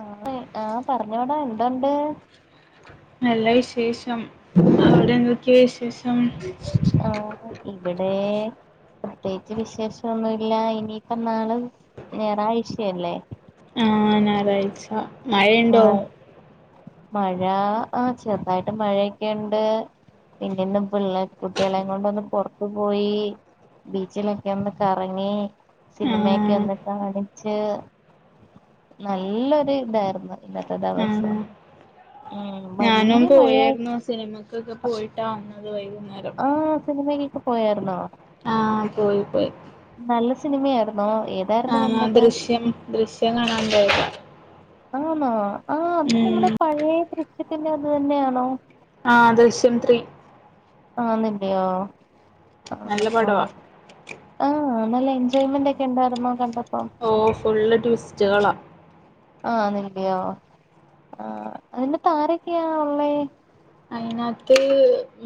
ആ ആഹ പറഞ്ഞോടാ എന്തണ്ട് നല്ല വിശേഷം അവിടെ എന്ധോക്കെ വിശേഷം ആ ഇവിടെ പ്രത്യേകിച്ച് വിശേഷൊന്നുല്ല ഇനിയിപ്പ നാള് ഞറാഴ്ചല്ലേ ആ ആറഴച ആഹ് മഴ ആഹ ചെറുതായിട്ട് മഴയൊക്കെണ്ട് പിന്നെന്ന പിള്ളേ കുട്ടികളെ കൊണ്ടൊന്ന് പോറത്തു പോയി ബീച്ചിലൊക്കെ ഒന്ന് കറങ്ങി സിനിമയൊക്കെ ആഹ് ഒന്ന് കാണിച്ച് നല്ലൊരു ഇതായിരുന്നു ഇന്നത്തെ ആഹ് ദിവസം ഉം ഞാനും വലിയ മഴയായി പോയായിരുന്നു സിനിമക്കൊക്കെ പോയിട്ട വന്നത് വൈകുനേരം ആഹ സിനിമയിക്കെക്കെ പോയരുന്നോ ആഹ പോയി പോയി നല്ല സിനിമയായിന്നോ ഏ ആഹ ഞാൻ ദൃശ്യം ദൃശ്യം കാണാൻ പോയതാ ആണെ ഉം പഴയ ദൃശ്യത്തിന്റെ അത് തന്നെയാണോ ആഹ ദശ്യംത്രീ ആന്നല്ലോയോ ആഹ നല്ല ആഹ പടവാ ആഹ് നല്ല എൻജോയ്മെന്റ് ഒക്കെ ഉണ്ടായിരരുന്നു കണ്ട ഓ ഫുള് ട്വിസ്റ്റുകളാ അന്നല്ലയോ ആ അതിൽ ആരൊക്കെയാ ഉള്ളേ അയിനാത്ത്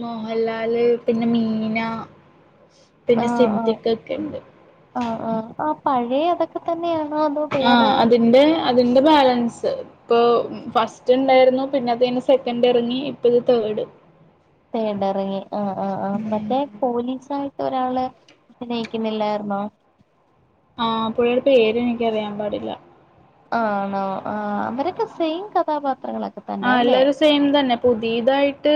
മോഹൻലാല് പിന്നെ മീന ആ പിന്നെ ആ സിദ്ധിഖ് ഒക്കെ ഇണ്ട് ആ ആ ആപഴയ അതൊക്കെ തന്നെയാണോ അതോ ആഹ വേറെ അതിന്റെ അതിന്റെ ബാലൻസ് ഇപ്പൊ ഫസ്റ്റ് ഇണ്ടായിരുന്നു പിന്നെ അത് കഴിഞ്ഞ് സെക്കൻഡ് ഇറങ്ങി ഇപ്പ ഇത് തേഡ് തേടറങ്ങി ആ് ആ് ആ മറ്റേ പോലീസായിട്ട് ഒരാള് അഭിനയിക്കുന്നില്ലാരുന്നോ ആ പുള്ളിയുടെ പേര് എനിക്കറിയാൻ പാടില്ല ആണോ ആ അവരൊക്കെ സെയിം കഥാപാത്രങ്ങളൊക്കെ ആ തന്നെ അല്ലേ എല്ലാരും സെയിം തന്നെ പുതിയതായിട്ട്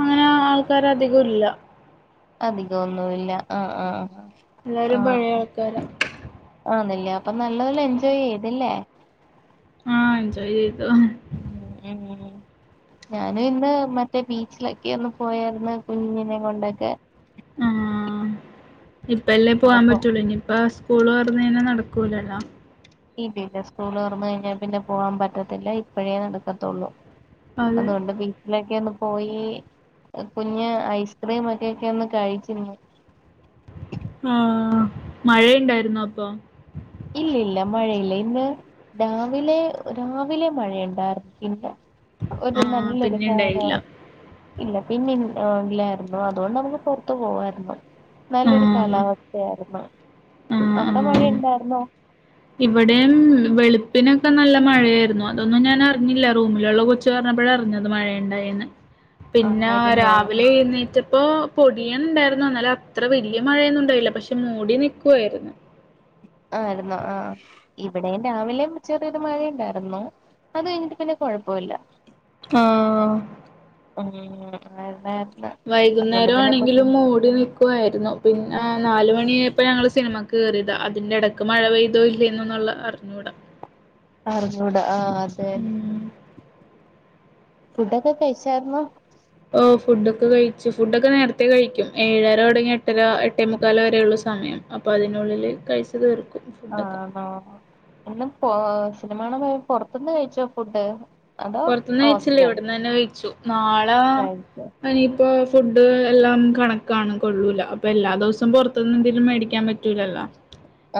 അങ്ങനെ ആൾക്കാര അധികംല്ല അധികം ഒന്നുല്ല ആഹ ആഹ ആഹ എല്ലരും പഴയ ആൾക്കാരാ ആന്നല്ലേ അപ്പൊ നല്ലതോല എൻജോയ് ചെയ്തില്ലേ ആഹ എഞ്ജോയ് ചെയ്തു ഉം ഉം ഉ ഞാനും ഇന്ന് മറ്റേ ബീച്ചിലൊക്കെ ഒന്ന് പോയായിരുന്നു കുഞ്ഞിനെ കൊണ്ടൊക്കെ ആഹ ഇപ്പ എല്ലേ പോവാൻ അപ്പൊ പറ്റുള്ളൂ ഇനിയിപ്പസ് സ്കൂൾതോരന്ന് കഴിഞ്ഞാൽ നടക്കുലല്ലോ ഇല്ല ഇല്ല സ്കൂളൊർന്ന് കഴിഞ്ഞാ പിന്നെ പോവാൻ പറ്റത്തില്ല ഇപ്പഴേ നടുക്കത്തുള്ളൂ. അതെ അതുകൊണ്ട് പി ട്ടിലൊക്കെ ഒന്ന് പോയി കുഞ്ഞ് ഐസ്ക്രീം ഒക്കെക്കെ ഒന്ന് കഴിച്ചി ആഹ് മഴുണ്ടായിുന്നോ അപ്പൊ? ഇല്ല ഇല്ല മഴയില്ല ഇന്ന്. രാവിലെ രാവിലെ മഴയുണ്ടായിരിക്കില്ല ഒരു ആഹ് നല്ലരു പിന്നെ ഇണ്ടായില്ല കാലാവസ്ഥ. ഇല്ല പിന്നെ ഇല്ലായിരുന്നു അതുകൊണ്ട് നമ്മുക്ക് പുറത്തു പോവായിരുന്നു. നല്ലൊരു ആഹ് കാലാവസ്ഥയായിരുന്നു ആഹ് അവിടെ ആഹ് മഴയുണ്ടായിരുന്നോ? ഇവിടെയും വെളുപ്പിനൊക്കെ നല്ല മഴയായിരുന്നു അതോ അതൊന്നും ഞാൻറിഞ്ഞില്ല റൂമിലുള്ള കൊച്ച് പറഞ്ഞപ്പഴ അറിഞ്ഞത് മഴണ്ടായീന്ന്. പിന്നെ ആയിരുന്നോ രാവിലെ എഴുന്നേറ്റപ്പോ പൊടിയണ് ണ്ടായിരുന്നു അന്നാല അത്ര വല്യ മഴയൊന്നും ഉണ്ടായില്ല പക്ഷെ മൂടി നിക്കുവായിരുന്നു. ആയിരുന്നോ ആഹ് ഇവിടെയും രാവിലെ ചെറിയൊരു മഴ ണ്ടായിര്ന്നു അത് കഴിഞ്ഞിട്ട് പിന്നെ കുഴപ്പല്ല ആഹ് ഉം അയന്നെ. വൈകുന്നേരം ആണെങ്കിലും മൂടി നി ക്കുവായിരുന്നു പിന്നെ നാല് മണിയപ്പോ ഞങ്ങള് സിനിമ കേറിയതാ അതിന്റെ ഇടക്ക് മഴ പെയ് തോ ഇല്ല എന്നന്നുള്ള അറിഞ്ഞൂടാ. അറിഞ്ഞുട ആഹ് അതെന്നെ. ഉം ഫുഡൊക്കെ കഴിച്ചായിരുന്നോ? ഓഹ് ഫുഡൊക്കെ കഴിച്ചു ഫുഡൊക്കെ നേരത്തെ കഴിക്കും ഏഴര തുടങ്ങി എട്ടര എട്ടേ മുക്കാല വരെയുള്ളൂ സമയം. അപ്പ അതിനുള്ളില് കഴിച് തീർക്കും. ഫുഡൊക്കെ ആണോ എന്ന പോ സിനിമാണാൻ പോയ പുറത്തുന്ന് കഴിച്ചോ ഫുഡ്? അതോ പുറത്തുന്ന് കഴച്ചില്ലേ ഹോസ്റ്റൽ ഇവിടന്ന് തന്നെ കഴിച്ചു നാളെ കഴിച്ചോ അനി ഇപ്പ ഫുഡ് എല്ലാം കണക്കാണ് കൊള്ളൂല അപ്പൊ എല്ലാ ദിവസവും പുറത് ന്ന് എന്തേലും മേടിക്കാൻ പറ്റൂലല്ലോ.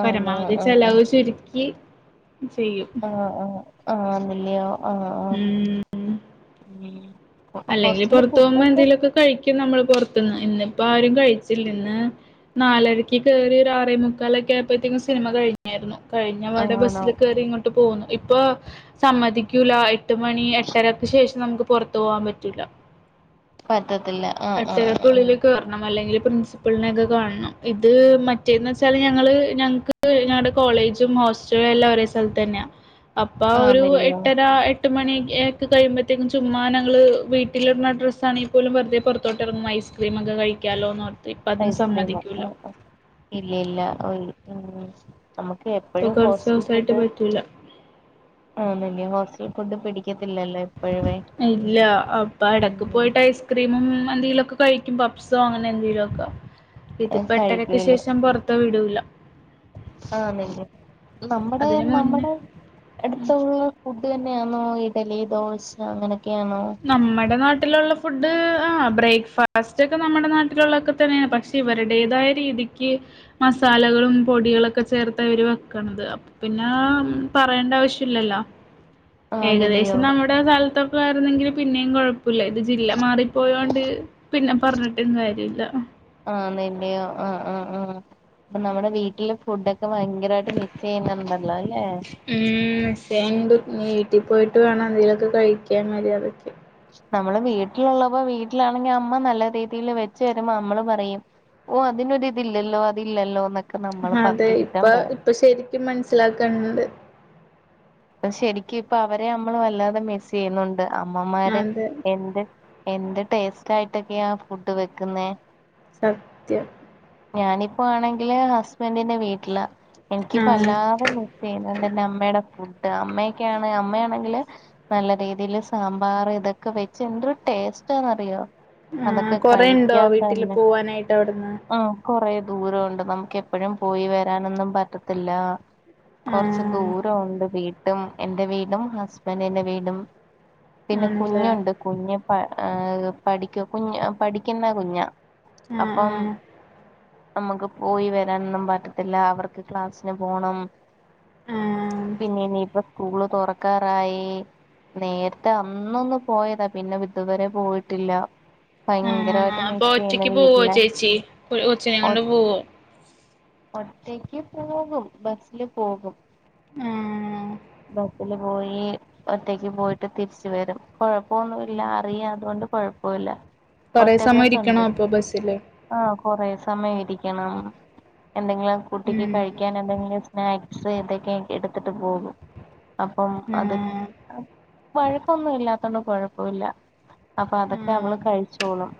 ആണോ പരമാവധി ആഹ് ചലവ് ചുരുക്കി ചെയ്യും. ആഹ് ആഹ് ആണല്ലയോ ആഹ് ആഹ് ഉം അല്ലെങ്കിൽ ഹോസ്റ്റലിലെ പുറത്തോകുമ്പോ ഫുഡൊക്കെ എന്തേലൊക്കെ കഴിക്കും നമ്മള് പുറത്ത്ന്ന് ഇന്നിപ്പോ ആരും കഴിച്ചില്ല ഇന്ന്. നാലരക്ക് കയറി ഒരു ആറേ മുക്കാലക്കെ ആയപ്പോഴത്തേക്കും സിനിമ കയി ഞേര്ന്നു കഴിഞ്ഞബാടെ ആണോ ബസ്സിൽ കയറി ഇങ്ങോട്ട് പോകുന്നു ഇപ്പൊ സമ്മതിക്കൂല അയ് ട്ട് മണി എട്ടരക്ക് ശേഷം നമുക്ക് പുറത്തു പോവാൻ പറ്റൂല. പറ്റത്തില്ല ആഹ് ആഹ് ആഹ് [unintelligible] പ്രിൻസിപിൾനെ ക്കെ കാൺണം ഇത് മറ്റേത്ചാല് ഞങ്ങള് ഞങക്ക്. [unintelligible] ഞങ്ങടെ കോളേജും ഹോസ്റ്റലും എല്ലാം ഒരേ സ്ഥലത്തന്നെയാ. അപ്പ ആഹ് ഒരു ആന്നില്ലയോ എട്ടര എട്ട് മണി ഒക്കെ കഴിയുമ്പോഴത്തേക്കും ചുമ്മാ ഞങ്ങള്. വീട്ടില്ട്ന്ന ഡ്രസ്സാണ് പോലും വെറുതെ പുറോട്ടറങ്ങും ഐസ്ക്രീമ് ഒക്കെ കഴിക്കാലോന്നോർ ഇപ്പം അതും ഐസ്ക്രീം സമ്മതിക്കൂല ആഹ് ആഹ് ഇല്ല ഇല്ല ഉം ഉം. നമുക്ക് ഇപ്പൊ എപ്പോഴും കുറച്ച് ഹോസ്റ്റൽ ദിവസമായിട്ട് ഫുഡ് പറ്റൂല ആണല്ലേ ഹോസ്റ്റൽ ഫുഡ് പിടി ക്കത്തില്ലല്ലോ. ഇല്ല അപ്പൊ ഇടക്ക് ഉം പോയിട്ട് ഐസ് ക്രീമും എന്തെലുക്കെ കഴിക്കും പപ്പ്സോ അങ്ങനെ എന്തെലൊക്കെ ഏ, ഇത്പ്പൊ എട്ടരക്ക കഴിക്കൂല ശേഷം പൊർ ത വിടൂല. ആണല്ലെ നമ്മുടെ അതിന് മുന്നേ നമ്മടെ. അടുത്തുള്ള ഫുഡ് തന്നെയാന്നോ, ഇഡലി ദോശ അങ്ങനെയൊക്കെയാന്നോ? നമ്മുടെ നാട്ടിലുള്ള ഫുഡ് ആഹ് ബ്രേക്ക്ഫാസ്റ്റ് ഒക്കെ നമ്മുടെ നാട്ടിലുള്ളൊക്കെ തന്നെയാണ് പക്ഷെ. ഇവരുടേതായ രീതിക്ക് മസാലകളും പൊടികളൊക്കെ ചേർത്താ ഇവര് വെക്ക്ണത്. അപ്പ പിന്നെ പറയേണ്ട ആവശ്യല്ലല്ലോ. ആന്നില്ല്യോ ഏകദേശം നമ്മുടെ കാലത്തൊക്കെ ആയിരുന്നെങ്കിൽ പിന്നിം കൊഴ പ്പുല്ല ഇത് ജില്ല മാറിപ്പോയോണ്ട് പിന്നെ പറഞ്ഞിട്ടും കാര്യല്ല ആണല്ല്യോ. ആഹ് ആഹ് ആഹ്. അപ്പം നമ്മുടെ വീട്ടില് ഫുഡൊക്കെ ഭയ് ങ്കരായിട്ട് മിസ് ചെയ്യുന്നുണ്ടല്ലോ ല്ലെ. ഉം മിസ്സെയ്യ്ണ്ട്. ഇനി വീട്ടി പോയിട്ട് വേണം എന്തേലു ഒക്കെ കഴിക്കാൻ മര്യാദക്ക്. നമ്മള് വീട്ടിലുള്ളപ്പം വീട്ടിലാണെങ്കി അമ്മ നല്ല രീതിയില് വെച്ച് തരുമ്പം നമ്മള് പറയും. ഓഹ് അതിനൊരു ഇതില്ലല്ലോ അതില്ലല്ലോന്നൊക്കെ നമ്മള് അതെ പത്തു ഇപ്പ കുറ്റം പറയും ഇപ്പൊ ശരിക്കും മനസ്സിലാക്കാനുണ്ട്. ഇപ്പൊ ശരിക്കും ഇപ്പൊ അവരെ നമ്മള് വല്ലാതെ മിസ് ചെയ്യുന്നുണ്ട് അമ്മമാരെ അതെ എന്ത് എന്ത് ടേസ്റ്റായിട്ടൊക്കെയാ ഫുഡ് വെക്കുന്നെ. സത്യം ഞാനിപ്പോ ആണെങ്കില് ഹസ്ബൻഡിന്റെ വീട്ടിലാ. എനിക്കിപ്പൊ ആഹ് വല്ലാതെ മിസ് സെയ്യുന്നുണ്ട് എന്റെ അമ്മയുടെ ഫുഡ് അമ്മയൊക്കെയാണ് അമ്മയാണെങ്കില് നല്ല രീതീല് സാമ്പാർ ഇതൊക്കെ വെച്ച് എന്തൊരു ടേസ്റ്റാന്നറിയോ ആ അതൊക്കെ കൊറേ ഉണ്ടോ കഴിക്കാൻ വീട്ടില് തന്നെ പോവാനായിട്ട് അവിടുന്ന് ആഹ് കൊറേ ദൂരവുണ്ട് നമുക്ക് എപ്പഴും പോയി വരാനൊന്നും പറ്റത്തില്ല കൊറച്ച് ആഹ് ദൂരവുണ്ട് വീട്ടും എന്റെ വീടും ഹസ്ബൻഡിന്റെ വീടും പിന്നെ ആണല്ലേ കുഞ്ഞുണ്ട് കുഞ്ഞ് പ ഏഹ് പഠിക്ക്യ കുഞ് പഠിക്കുന്ന കുഞ്ഞാ ആഹ് അപ്പം നമുക്ക് പോയി വരാനൊന്നും പറ്റത്തില്ല അവർക്ക് ക്ലാസ്സിന് പോണം ആഹ് പിന്നെ ഇനിയിപ്പോ സ്കൂള് തുറക്കാറായി നേരത്തെ അന്നൊന്ന് പോയതാ പിന്നെ ഇതുവരെ പോയിട്ടില്ല ആഹ് ആഹ് ഭയങ്കരമായിട്ട് അപ്പൊ മിസ്സ് ചെയ്യുന്നു ഒറ്റക്ക് പോവോ വീട്ടിലെ ചേച്ചി കൊച്ചിനെ ഒ കൊണ്ട് പോവോ ഒറ്റയ്ക്ക് പോകും ബസ്സില് പോകും ആഹ് ബസ്സില് പോയി ഒറ്റക്ക് പോയിട്ട് തിരിച്ച് വരും കുഴപ്പ ഒന്നു ഇല്ല അറിയാ അതോണ്ട് കുഴപ്പവില്ല കുറേ സമയ ഇരിക്കണോ അപ്പൊ ബസ്സില് ആഹ് കൊറെ സമയം ഇരിക്കണം എന്തെങ്കിലും കുട്ടിക്ക് ഉം കഴിക്കാൻ എന്തെങ്കിലും സ്നാക്സ് ഇതൊക്കെ എടുത്തിട്ട് പോകും അപ്പം അത് ആഹ് വഴക്കൊന്നും ഇല്ലാത്തോണ്ട് കൊഴപ്പവില്ല അപ്പൊ അതൊക്കെ അവള് ആഹ് കഴിച്ചോളും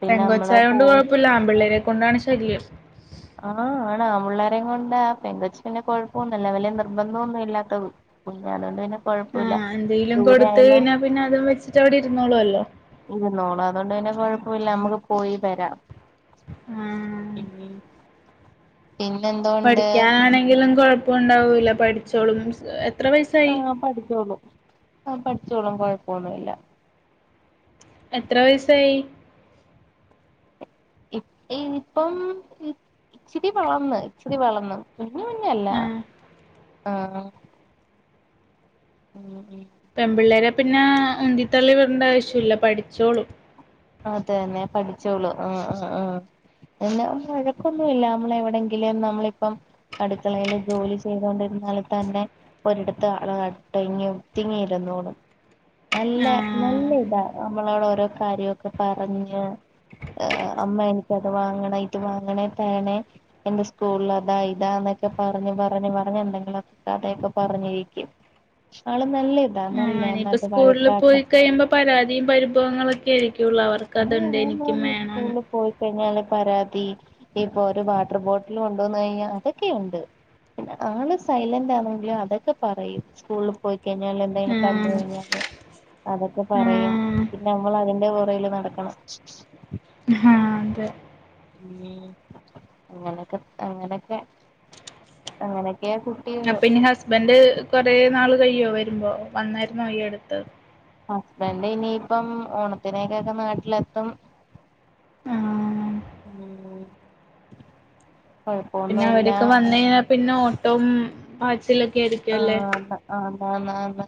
പിന്നെ നമ്മള് പോ ത്ത്ള്ള ആമ്പിള്ളേരെ കൊണ്ടാണ് ശല്യം. ആഹ് ആണ് ആമ്പിള്ളേരെം കൊണ്ടാ പെങ്കൊച്ച് പിന്നെ കൊഴപ്പമൊന്നുല്ല വല്ല്യ നിർബന്ധോന്നും ഇല്ലാത്തത് കൊണ്ട് അതോണ്ട് പിന്നെ കൊഴപ്പല്ല ആഹ് എന്തേലും ദൂരെ കൊടുത്ത് ആയാലും കഴിഞ്ഞാ പിന്നെ അതും വെച്ചിട്ട് അവിടെ ഇരുന്നോളൊല്ലോ ഇരുന്നോളു അതോണ്ട് പിന്നെ കുഴപ്പമില്ല നമുക്ക് പോയി വരാ. ആഹ് ഉം പിന്നെ എന്തോ പഠിക്കാനാണെങ്കിലും കൊഴപ്പം ഉണ്ടാവൂല്ല പഠിച്ചോളും ബൂ ആഹ് പഠിച്ചോളും ആ പഠിച്ചോളും കുഴപ്പൊന്നുമില്ല എത്ര വയസ്സായി ഇ ഇപ്പം ഇച്ചിരി വളർന്ന് ഇച്ചിരി വളർന്ന് വല്ല്യ കുഞ്ഞല്ല ആ ആഹ് പെൺപിള്ളേരെ പിന്നെ ഉന്തിത്തള്ളി വിടേണ്ട ആവശ്യമില്ല പഠിച്ചോളും അത് തന്നെ പഠിച്ചോളും ആഹ് ആഹ് ആഹ് എന്നാ വഴക്കൊന്നും ഇല്ല നമ്മള് എവിടെങ്കിലും നമ്മളിപ്പം അടുക്കളയിൽ ജോലി ചെയ്തൊണ്ടിരുന്നാൽ തന്നെ ഒരിടത്ത് അടങ്ങി ഒതിങ്ങി ഇരുന്നോളും നല്ല ആ നല്ല ഇതാ നമ്മളോടോരോ കാര്യയൊക്കെ പറഞ്ഞ് ആഹ് അമ്മ എനിക്ക് അത് വാങ്ങണെ ഇത് വാങ്ങണേ തേനെ എന്റെ സ്കൂൾല് അതാ ഇതാ എന്നൊക്കെ പറഞ്ഞ് പറഞ്ഞ് പറഞ്ഞ് എന്തെങ്കിലൊ കതയൊക്കെ പറഞ്ഞ് ഇരിക്കും. ആള് നല്ല ആഹ് ഇനി ഇപ്പ നന്നായിട്ട് സ്കൂൾല് വഴക്കാട്ട് പോയി കഴിയുമ്പോ പരാതിം പരിഭവങ്ങളൊക്കെ ആയിരിക്കുള്ളു അവർ ക്കതുണ്ട് എനിക്കും വേണം സ്കൂളിൽ പോയി കഴിഞ്ഞാല് പരാതി ഇപ്പോ ഒരു വാട്ടർ ബോട്ടിൽ കൊണ്ടുവന്നു കഴിഞ്ഞാ അതൊക്കെയുണ്ട്. പിന്നെ ആള് സൈലന്റ് ആണെങ്കിലും അതൊക്കെ പറയും സ്കൂളില് പോയിക്കഴിഞ്ഞാല് എത്തേലും ആ കണ്ട് കയിഞ്ഞാ ഒക്കെ അതൊക്കെ ആ പറയും പിന്നെ നമ്മള് അതിന്റെ പുറകില് നടക്കണം. ആഹ് അതെ ഉം അങ്ങനൊക്കെ അങ്ങനൊക്കെ അങ്ങനെയക്ക്യാ കു അപ്പ ഇനി ഹസ്ബന്ഡ് കുറേ നാള് കഴിയോ വരുമ്പോ വന്നായിരുന്നോ ഈ അടുത്ത് ഹസ്ബൻഡ ഇനിയിപ്പം ഓണത്തിനേക്കൊക്കെ നാട്ടിലെത്തും. ആ ഉം പിന്നെ കൊഴപ്പൊന്നുല്ല അവരൊക്കെ വന്ന് കഴിഞ്ഞാ പിന്നെ ഓട്ടോം പാച്ചിലൊക്കെ ആയിരി ആഹ് ആന്നാന്നന്ന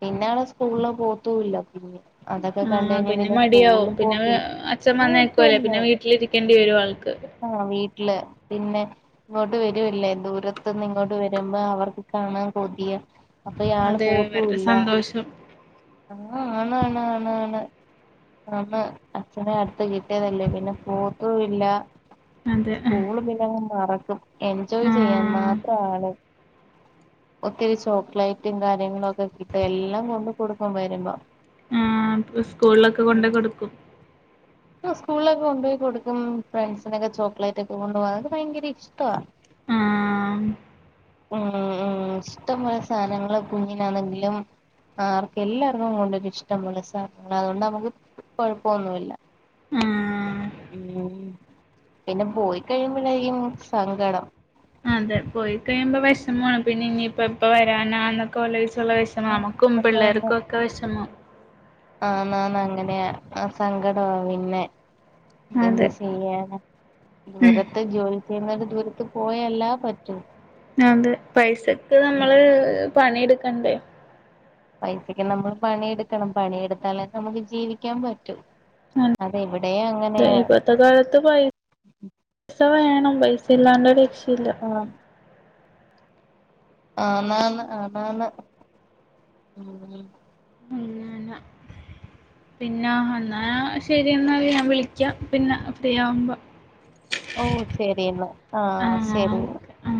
പിന്നെവള് സ്കൂള്ല് പോത്തൂല്ല പിന്നെ അതൊക്കെ കണ്ട് ആഹ് കഴിഞ്ഞാ പിന്നെ മടിയാവും സ്കൂളില് പിന്നെ പോക്കില്ല അച്ഛൻ വന്നേക്കുല്ലേ പിന്നെ വീട്ടിലിരിക്കേണ്ടി വരും ആൾക്ക് ആഹ് വീട്ടില് പിന്നെ ഇങ്ങോട്ട് വരുല്ലേ ദൂരത്തുന്ന് ഇങ്ങോട്ട് വരുമ്പോ അവർക്ക് കാണാൻ കൊതിയ അപ്പൊ ഇയാള് അതെ ഇവരുടെ പോതുള്ള സന്തോഷം ആഹ് ആണ് ആണ് ആണ് ആണ് അന്ന് അച്ഛനെ അട്ത്ത് കിട്ടിയതല്ലേ പിന്നെ പോത്തുല്ല അതെ സ്കൂള് പിന്നെ അങ്ങ് മറക്കും എൻജോയ് ചെയ്യാൻ ആഹ് മാത്രം ആള് ഒത്തിരി ചോക്ലേറ്റും കാര്യങ്ങളും ഒക്കെ കിട്ടാ എല്ലാം കൊണ്ട് കൊടുക്കും വരുമ്പോ ആഹ് ഇപ്പ സ്കൂൾലൊക്കെ കൊണ്ടെ കൊടുക്കും സ്കൂൾലൊക്കെ കൊണ്ടോയി കൊടുക്കും ഫ്രണ്ട്സിനൊക്കെ ചോക്ലേറ്റ് ഒക്കെ കൊണ്ടു പോകാൻ ഇതൊക്കെ ഭയങ്കര ഇഷ്ടാ ആഹ് ഉം ഉം ഇഷ്ടംപോലെ സാധനങ്ങള് കുഞ്ഞിനാന്നങ്കിലും ആർക്ക എല്ലാർക്കും കൊണ്ടരും ഇഷ്ടം പോലെ സാധനങ്ങള് അതോണ്ട് നമ്മക്ക് കുഴപ്പൊന്നുല്ല ആഹ് ഉം പിന്നെ പോയി കഴിയുമ്പഴായിരിക്കും സങ്കടം അതെ പോയി കഴിയുമ്പോ വെഷ്മാണ് പിന്നെ ഇനിയിപ്പ എപ്പ വരാനാന്നൊക്കെ ലോയിച്ചുള്ള വെഷ് മ നമുക്കും പിള്ളേർക്കും ഒക്കെ വിശമം ആന്ന് ആന്ന് അങ്ങനെയാ ആ സങ്കടാ പിന്നെ എന്ത് അതെ ചെയ്യാനാ ഉം ദൂര ത്ത് ജോലി ചെയ്യുന്നരു, ദൂരത്ത് പോയല്ലാ പറ്റു അതെ പൈസക്ക് നമ്മള് പണി എട്ക്കണ്ടേ പൈസക്ക് നമ്മള് പണിയെടുക്കണം പണിയെടുത്താലേ നമുക്ക് ജീവിക്കാൻ പറ്റൂ ആണ് അതെവിടെയും അങ്ങനെയാ ഇപ്പത്തെ കാലത്ത് പൈ സ വേണം പൈസ ഇല്ലാണ്ട ഒരു രക്ഷയില്ല ആ ആന്ന് ആന്ന് ഉം ഉം ഉം ഞാ പിന്നെ എന്നാ ഞാ ശരി എന്നാ ഞാൻ വിളിക്കാം പിന്നെ ഫ്രീ ആവുമ്പം ഓഹ് ശരിന്നാ ആഹ് ശരിന്ന ഓക്കെ ആഹ്